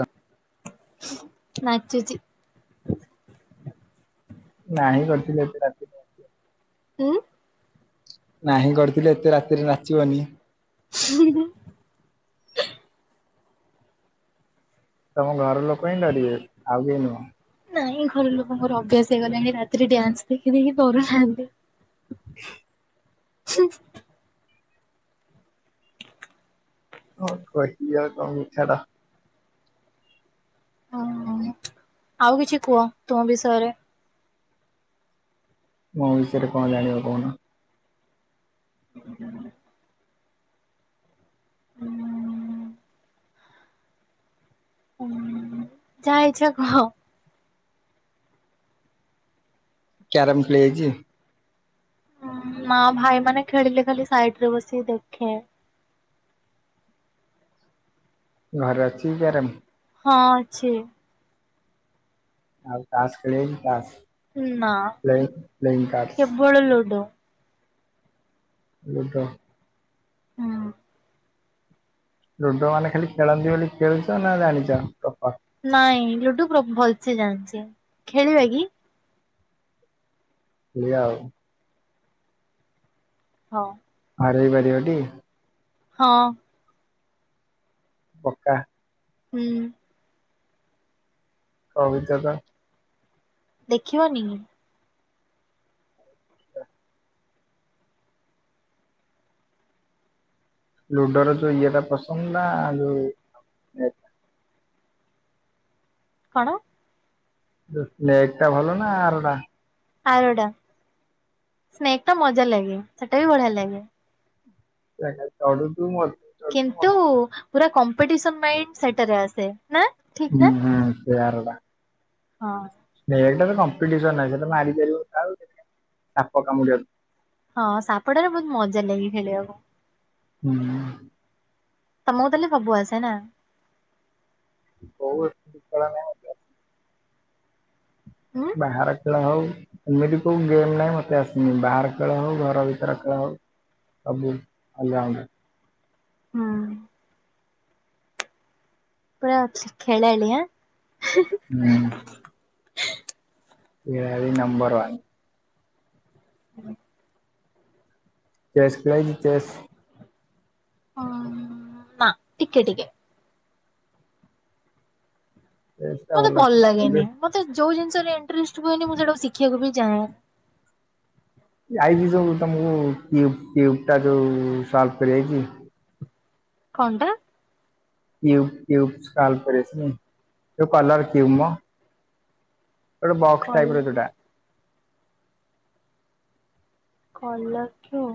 ଯା। ନଚୁଚି। ନାହିଁ କରିଥିଲେ ଏତେ ରାତିରେ ଆସିବ। ଉଁ। ନାହିଁ କରିଥିଲେ ଏତେ ରାତିରେ ନାଚିବନି। ହୁଁ ହୁଁ। ତମ ଘର ଲୋକ ହିଁ ଡରିବେ। ଆଉ କେହି ନୁହୁଁ। ନାଇଁ ଘର ଲୋକଙ୍କର ଅଭ୍ୟାସ ହେଇଗଲାଣି। ରାତିରେ ଡ୍ୟାନ୍ସ ଦେଖି ଦେଖି କରୁନାହାନ୍ତି। [inaudible] ହୁଁ ହୁଁ। କଣ କହିବି ଆଉ ତମକୁ ଛାଡ। ଓ ହୋ ଆଉ କିଛି କୁହ ତୁମ ବିଷୟରେ। ମୋ ବିଷୟରେ କଣ ଜାଣିବା କହୁନ? ହ ହ। ଓ ହୋ ଯା ଇଚ୍ଛା କହ। କ୍ୟାରମ ଖେଳି ଆଇଛି। ନା ଭାଇ ମାନେ ଖେଳିଲେ ଖାଲି ସାଇଟ୍ ରେ ବସି ଦେଖେ। [inaudible] ଘରେ ଅଛିକି କ୍ୟାରମ। ହଁ ଅଛି। ଆଉ ତାସ୍ ଖେଳି ଆଇଛି। ତାସ୍ ନା ପ୍ଲେଇଂ ପ୍ଲେଇଂ ତାସ୍। କେବଳ ଲୁଡୁ। ଲୁଡୁ। ହଁ। ଲୁଡୁ ମାନେ ଖାଲି ଖେଳନ୍ତି ବୋଲି ଖେଳୁଛ। ନା ଜାଣିଛ ଟପା। ନାଇଁ ଲୁଡୁ ପ୍ର ଭଲସେ ଜାଣିଛି। ଖେଳିବା କି? ଖେଳିବା ଆଉ। ହଁ। ହରେଇ ପାରିବଟି। ହଁ। ପକା। ହୁଁ। କହୁଚ ତ। ଦେଖିବନି କି। ଲୁଡୋର ଯୋଉ ଇଏଟା ପସନ୍ଦ ନା। ଯୋଉ ଇଏଟା। କଣ? ଯୋଉ ନେଗ୍ ଟା ଭଲ ନା ଆରଟା। ଆରଟା ସ୍ନେକ୍ ଟା ମଜା ଲାଗେ। ସେଟା ବି ବଢିଆ ଲାଗେ। ଚଢୁଥୁ ମରୁ କିନ୍ତୁ ପୁରା କମ୍ପିଟିସନ୍ ମାଇଣ୍ଡ୍ ସେଇଟାରେ ଆସେ। ନା ଠିକ ନା? ଉଁ ହୁଁ ସେ ୟାରଟା। ହଁ। ଏଇଟାରେ କମ୍ପିଟିସନ ନାହିଁ। ସେଟା ମାରି ପାରିବ ଆଉ ସାପ କାମୁଡି ହଁ ସାପଡାରେ ବହୁତ ମଜା ଲାଗେ ଖେଳିବାକୁ। ହୁଁ। ତମକୁ ତଲେ ଭାବୁ ଆସ ନା ବହୁ ଦଖ ହୁଁ ବାହାର ଖେଳ ହଉ ଏମିତି କୋଉ ଗେମ୍ ନାହିଁ, ମତେ ଆସିନି ବାହାର ଖେଳ ହଉ ଘର ଭିତରେ ଖେଳ ହଉ। କବୁ ଆ ହଁ। ପୁରା ଶିଖେଳ ଆଲେଆ ହୁଁ ଏ ନମ୍ବରୱନ୍ ହୁଁ। ଚେସ୍ ଖଳାଇଛି ଚେସ୍ ହଁ ନା ଟିକେ ଟିକେ ଚେସ୍ ଟା ମତେ ଭଲ ଖେଳ ଲାଗେନି ଏବେ ମତେ ଯୋଉ ଜିନିଷରେ ଇଣ୍ଟ୍ରେଷ୍ଟ୍ ହୁଏନି, ମୁଁ ସେଇଟା ଶିଖିବାକୁ ବି ଚାହେଁ ଯାଇଛି ଯୋଉ ତମକୁ ପିଉ ଟା ଯୋଉ ସଲଭ କରି ଯା କଣଟା? କ୍ୟୁବ୍ ଫ୍ୟୁବ୍ ସଲଭ୍ କରି ଆସେନି? ଯଉ କଲର୍ କ୍ୟୁବ ମ ଗୋଟେ ବକ୍ସ କଲ ଟାଇପ ର ଯଉଟା। Colour cube!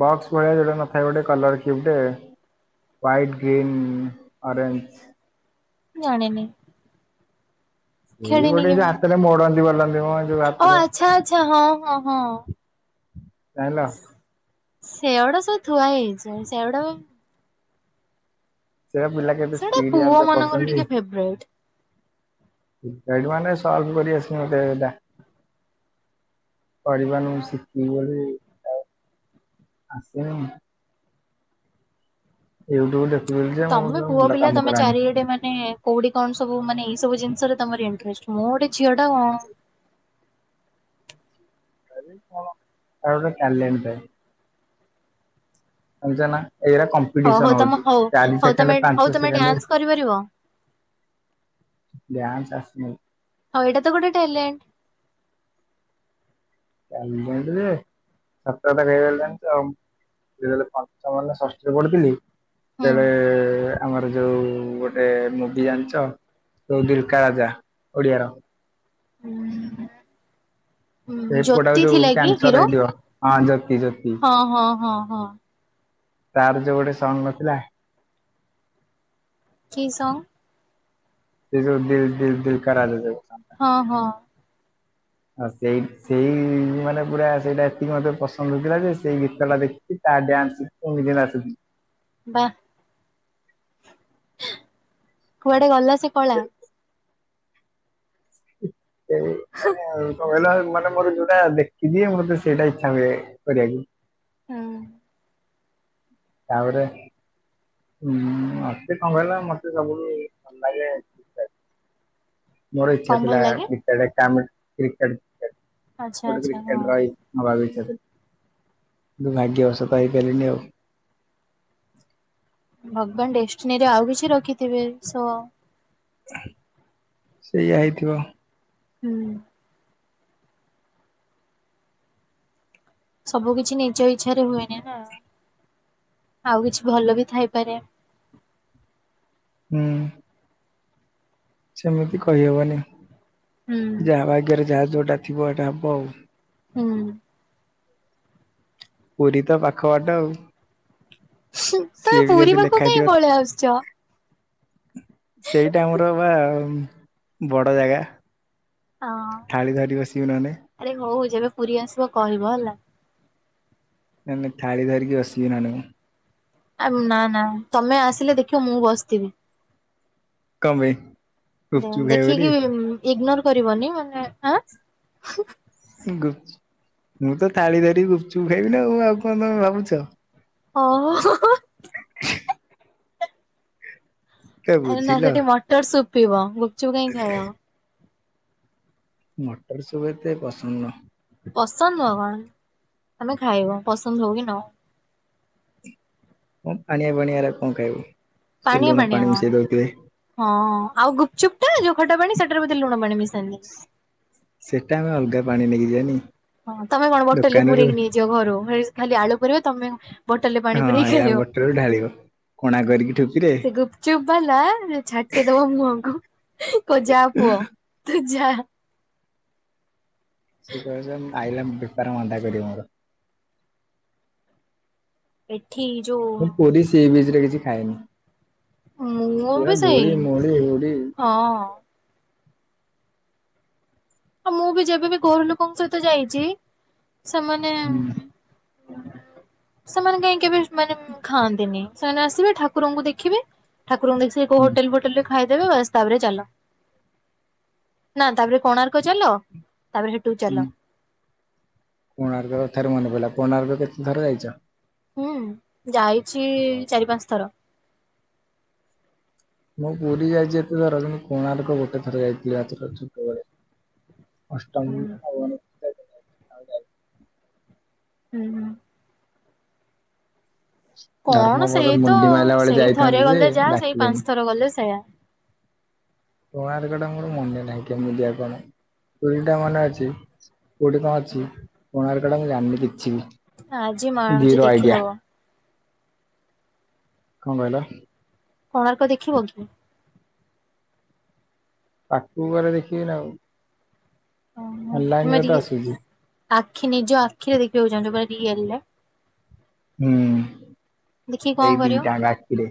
ବକ୍ସ ଭଳିଆ ଯୋଉଟା ନଥାଏ ଗୋଟେ କଲର କ୍ୟୁବ ଟେ ହ୍ୱାଇଟ୍, ଗ୍ରୀନ୍, ଅରେଞ୍ଜ ଜାଣିନି ଏଇ ଖେଳିନି ଗୋଟେ କେବେ। ହାତରେ ମୋଡନ୍ତି ଗଲ ଓ ଆଚ୍ଛା! ଆଚ୍ଛା! ହଁ, ହଁ, ହଁ। ଜାଣିଲ ସେଓଡା ସବୁ ଥୁଆ ହେଇଛି ସେଓଡା ସେରା ପିଲା କେ କେତେ ସେଗୁଡା ସ୍ପିଡ ପୁଅ ଜାଣିଛ ମାନଙ୍କର କରୁଛନ୍ତି? ଟିକେ ଫେବରାଇଟ। ଏଇଟୁ ମାନେ ସଲଭ କରି ଆସେ ମତେ ଏଟା କରିବାନୁ ଶିଖିଲି ବୋଲି ଆସନ ଏଇଠୁ ଗୋଟେ ତମେ ପୁଅ ପିଲା ତମେ ଚାରିଆଡେ ମାନେ କୋଉଠି କଣ ସବୁ ମାନେ ଏଇ ସବୁ ଜିନି ଷରେ ତମରି ଇଣ୍ଟରେଷ୍ଟ ମୋର ଝିଅ ଟା କଣ? ମୋର ତାଲେଣ୍ଟ ପାଇଁ। ଜାଣିଚ ନା ଏଇରା ହଉ ହଉ କମ୍ପିଟିସନ ତମ ହଉଛି ହଉ ଚାରି ହଉ ତମେ ସେକେଣ୍ଡ, ହଉ ପାଞ୍ଚ ତମେ ସେକେଣ୍ଡ ଡ୍ୟାନ୍ସ କରିପାରିବ। ଡାନ୍ସ ଆସି ହଉ ଏଇଟା ତ ଗୋଟେ ଟାଲେନ୍ଟେ ଚାଲିଛନ୍ତି ଯେ ସାତ ଯେତେବେଳେ ପାଞ୍ଚମ ନା ଷଷ୍ଠରେ ପଢ଼ୁଥିଲି ହୁଁ। ସେତେବେଳେ ଆମର ଯୋଉ ଗୋଟେ ମୁଭି ଜାଣିଚ? ଯୋଉ ଦିଲକା ରାଜା ଓଡିଆର। ଉହୁଁ ସେ ପୁଅଟାକୁ ଜ୍ୟୋତି ଯୋଉ ଥିଲା କି କ୍ୟାନସର ହିରୋ? ହେଇଥିବ ହଁ ଜ୍ୟୋତି ଜ୍ୟୋତି ହଁ, ହଁ, ହଁ, ହଁ। ତାର ଯୋଉ ଗୋଟେ ସଙ୍ଗ ନଥିଲା? କି ସଙ୍ଗ? ସେ ଦିଲ୍, ଦିଲ୍, ଦିଲ୍ କା ରାଜା ଯଉ ହଁ, ହଁ। ଆ ସେଇ ସେଇ ମାନେ ପୁରା ସେଇଟା ଏତିକି ମତେ ପସନ୍ଦ ହଉଥିଲା, ଯେ ସେଇ ଗୀତ ଟା ଦେଖି ତା ଡାନ୍ସ ଶିଖୁ ନିଜେ ନାଚୁ ଥିଲି। ବା କୁଆଡେ ଗଲା ସେ କଳା? ସେଇ ମାନେ କଣ କହିଲ? ମାନେ ମୋର ଯୋଉଟା ଦେଖିଦିଏ ମୋତେ ସେଇଟା ଇଚ୍ଛା ହୁଏ କରିବାକୁ। ହଁ। ତାପରେ ଉଁ, ମୋତେ କଣ କହିଲ ମୋତେ ସବୁଠୁ ଭଲ ଲାଗେ ଏ ମୋର ଇଚ୍ଛା କଣ ଭଲ ଥିଲା ଲାଗେ କ୍ରିକେଟ୍ କାମ କ୍ରିକେଟ୍ ଟେ ଆଚ୍ଛା ଗୋଟେ ଆଚ୍ଛା ହଁ। କ୍ରିକେଟର୍ ହେଇ ନବାକୁ ଇ [unintelligible] କିନ୍ତୁ ଭାଗ୍ୟବଷତ ହେଇପାଇଲିନି ଆଉ। ଭଗବାନ ଡେଷ୍ଟିନୀ ରେ ଆଉ କିଛି ରଖିଥିବେ ସୋ। ସେଇଆ ହେଇଥିବ। ହୁଁ। ସବୁ କିଛି ନିଜ ଇଚ୍ଛାରେ ହୁଏନି ନା। ଆଉ କିଛି ଭଲ ବି ଥାଇପାରେ। ହୁଁ। ସେମିତି କହିହବନି। ହୁଁ ଯାହା ଭାଗ୍ୟରେ ଯାହା ଯୋଉଟା ଥିବ ସେଟା ହବ ଆଉ। ହଁ। ପୁରୀ ତ ପାଖ ବାଟ ଆଉ। ତୋମେ ସିଏ ବି ପୁରୀ ଯଦି ପାଖକୁ ଲେଖା କାଇଁ ଥିବ ପଳେଇ ଆସୁଛ? ସେଇଟା ଆମର ବା ବଡ ଜାଗା। ଅଁ, ଥାଳି ଧରି ବସିବି ନହେଲେ ଆରେ ହଉ ଯେବେ ପୁରୀ ଆସିବ କହିବ ହେଲା। ନନେ ଥାଳି ଧରିକି ବସିବି ନନେ। ଆ, ନା ନା ତୋମେ ଆସିଲେ ଦେଖିବ ମୁଁ ବସିଥିବି। କଣ ପାଇଁ ଦେ ଗୁପଚୁପ ଖାଇବି ଦେଖିକି ଉଁ, ଇଗନୋର୍ କରିବନି ମାନେ ଆଁ ଉଁ, ଗୁ ମୁଁ ତ ଥାଳି ଧରିି ଗୁପଚୁପ ଖାଇବି ନା ମୁଁ ଆଉ କଣ ତୋମେ ଭାବୁଛ। ଓ, ହୋ ହଁ, ହଁ। କେ ଆରେ ନା ବୁଝିଲ ସେଠି ମଟର ସୁପ୍ ପିଇବ ଗୁପଚୁପ କାଇଁ ଖାଇବ। ମଟର ସୁପ୍ ଏତେ ପସନ୍ଦ ନୁହଁ। ପସନ୍ଦ ନୁହଁ କଣ? ତୋମେ ଖାଇବ ପସନ୍ଦ ହଉ କି ନ ହଉ। ଅଁ, ପାଣିଆ ପାଣିଆ ଗୁ୍ରା କଣ ଖାଇବୁ। ସେ ପାଣିଆ ଲୁଣ ପାଣିଆ ପାଣି ମିଶେଇ କଣ ଦଉଥିବେ ହଁ ଆଉ ଗୁପଚୁପ୍ ଟା ଯୋଉ ଖଟା ପାଣି ସେଟାରେ ବୋଧେ ଲୁଣ ପାଣି ମିଶି ସେଟା ଆମେ ଅଲଗା ପାଣି ନେଇକି ଯିବାନି। ହଁ ତୋମେ କଣ ବୋଟଲ୍ ରେ ଦୋକାନରୁ ପୁରେଇକି ନେଇଯିବ ଘରୁ। ହେସ ଖାଲି ଆଳୁ ପୁରେଇବ ତୋମେ ବୋଟଲ୍ ରେ ପାଣି ପୁରେଇକି ଖାଇଦବ। ଖେଳିବ। ସେ ଗୁପଚୁପ୍ ବାଲା ରେ ଛାଟିଦବ ମୁହଁକୁ। କହିବ ଯା ପୁଅ ତୁ ଯା। ସେ କହିବ ସ-ଆଇଲା ବେପାର ମାନ୍ଦା କରିବ ମୋର। ଏଠି ଯୋଉ ମୁଁ ପୁରୀ ସିବିଚ୍ ରେ କିଛି ଖାଏନି। ମୁଁ ପୁରା ବି ସେଇ ଧୂଳି ମୂଳି ଉଡି। ହଁ। ଆଉ ମୁଁ ବି ଯେବେବି ଘର ଲୋକଙ୍କ ସହିତ ଯାଇଚି ସେମାନେ ହୁଁ ସେମାନେ କାହିଁକି କେବେ ମାନେ ଖାଆନ୍ତିନି। ସେମାନେ ଆସିବେ ଠାକୁରଙ୍କୁ ଦେଖିବେ ଠାକୁରଙ୍କୁ ଦେଖି ସାରି କୋଉ ହୁଁ ହୋଟେଲ ଫୋଟେଲ ରେ ଖାଇଦେବେ ବାସ୍ ତାପରେ ଚାଲ। ନା ତାପରେ କୋଣାର୍କ ଚାଲ। ତାପରେ ହେଠୁ ନା ଚାଲ କୋଣାର୍କ କଥାରୁ ମନେ ପଇଲା କୋଣାର୍କ କେତେ ଥର ଯାଇଛ? ହଁ ଯାଇଛି ଚାରି ପାଁସ ଥର। ମୁଁ ପୁରୀ ଯାଇଚି ଏତେ ଥର ମୁଁ କୋଣାର୍କ ଗୋଟେ ଥର ଯାଇଥିଲି ଆ ଛୁଟ ଛୁଟବେଳେ। ହୁଁ ଅଷ୍ଟମ କି ନବମ ରେ। ହଁ ଭଲ। କ'ଣ ଧର୍ମପଦ ସେଇତ ମୁଣ୍ଡି ଆଉ। ମାଇଲା ବେଳେ ସେଇ ଥରେ ଯାଇଥାନ୍ତି ଯେ ଗଲେ ଯାହା, ସେଇ ଡାକିଲେନି। ପାଞ୍ଚ୍ ଥର ଗଲେ ସେୟା। କୋଣାର୍କ ଟା ମୋର ମନେ ନାହିଁ, କେମିତିଆ କ'ଣ? ପୁରୀ ଟା ମନେ ଅଛି। କଉଠି କ'ଣ ଅଛି, କୋଣାର୍କ ଟା ମୁଁ ଜାଣ୍ନି କିଛିି ବି। ଆଜି ମାଆ ଆଣୁଚି ଜିରୋ ଆଇଡିଆ ଦେଖିଦବ। କ'ଣ କଇଲ? କଣାର୍କ ଦେଖିବ କି? ପାଖ୍କୁ ଗଲେ ଦେଖିବି ନା ଆଉ। ଓହୋ। ଅଲ୍ ତମେ ଲାଇନ୍‌ରେ ରି ତ ଆସୁଜି। ଆଖି, ନିଜ ଆଖିରେ ଦେଖିବାକୁ ଚାଁହୁଚ? ପୂରା ରିଏଲ୍ ରେ ହୁଁ! କଣ ଏଇ କରିବ? ଦିଟା ଙ୍କ ଆଖିରେ।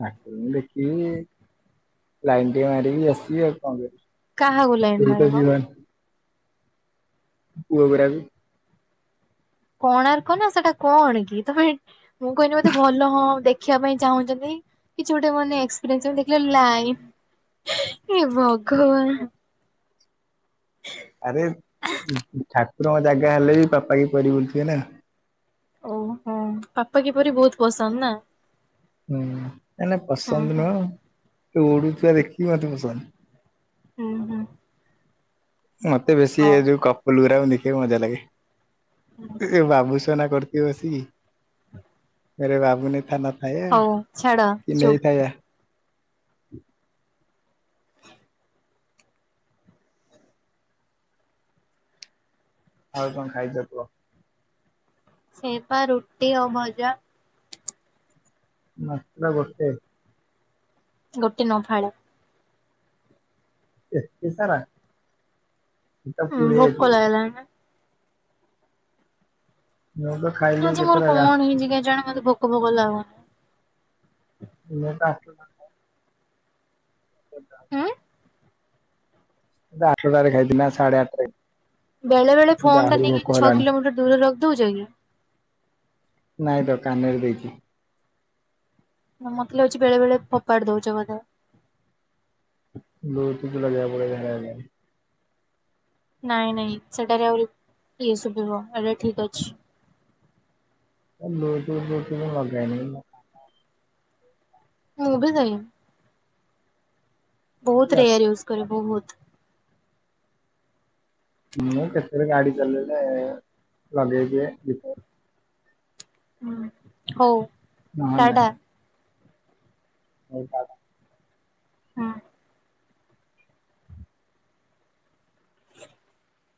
ଠାକୁରଙ୍କୁ ଦେଖିବି, ଲାଇନ୍‌ ଟିକେ ମାରିବି ଆସିବି। ଆଉ କରିବି? କାହାକୁ ଲାଇନ୍‌ କେହି ତ ମାରିବ? ଯିବନି ପୁଅ ଗୁରାକୁ। କଣାର୍କ ନା ସେଟା କ'ଣ କି? ତମେ ମୁଁ କହିଲି ବଧେ ଭଲ ହଁ! ଦେ ଦେଖିବା ପାଇଁ ଚାହୁଁଚନ୍ତି, କିଛି ଗୋଟେ ମାନେ ଏକ୍ସପିରେନ୍ସ ଦେଖି--ଲାଇ ଏ ଭଗବାନ୍‌! ଆରେ ଠାକୁରଙ୍କ ଜାଗା ହେଲେ, ବି ପାପାକି ପରୀ ବୁଲ୍‌ଥିବେ ନା। ଅଉ ହଁ! ପାପାକି ପରୀ ବହୁତ୍ ପସନ୍ଦ୍ ନା? ହୁଁ! ନାଇଁ ହୁଁ ପସନ୍ଦ ହୁଁ ନୁହଁ, ଉଡୁଥିବା ଦେଖିକି ମତେ ପସନ୍ଦ୍। ହୁଁ ହୁଁ। ମତେ ବେଶୀ ଏ ହଉ ଯଉ କପୁଲୁ ଗୁରାକୁ ଦେଖିକି ମଜା ଲାଗେ। ବାବୁ, ସୋନା [inaudible] [inaudible] ହଉ ଛାଡ ଚୁପ୍। ଆଉ କ'ଣ ଖାଇଚ କୁଅ? ସେପା ରୁଟି ଆଉ ଭଜା। ମାତ୍ର ଗୋଟେ। [inaudible] ଏତେ ସାରା ଉଁ ଭୋକ ଲାଗିଲାଣି ନା। ମୁଁ ତ ଖାଇଲି ଆଜି ମୋର କେତେଟା ରା କ'ଣ ହେଇଚି କେଜାଣି? ମତେ ଭୋକ ଫୋକ ଲାଗୁନି। [inaudible] ସେ ହୁଁ ମୁଁ, ତ ଆଠଟା ରେ ଖାଇଥି-ନା ସାଢେ ଆଠ୍ ରେ ବେଳେ ବେଳେ ଫୋନ୍‌ ଟା ନେଇକି, ଛଅ ହେଲାଣି। କିଲୋମିଟର ଦୂରରେ ର--ଦଉଚ କି? ନାଇଁ ତ କାନେରେ ଦେଇଚି। ମତେ ଲାଗୁଚି ବେଳେ ବେଳେ ଫୋପାଡ଼ି ଦଉଚ ବଧେ। [inaudible] ନାଇଁ ନାଇଁ ସେଟାରେ ଆହୁରି-----ଏ ଶୁଭିବ, ଏଟା ଠିକ୍ ଅଛି। [inaudible] ମୁଁ ବି ସେଇ। ବହୁତ୍ ରେଆର୍ ଇଉଜ୍‌ ବହୁତ୍। ମୁଁ କେତେ- ଗାଡି ଚଲେଇଲେ ଲଗେଇ ଦିଏ। କେ ହଉ। ନହ୍ଲେ ଟାଟା ନାଇଁ। [inaudible] ହଁ!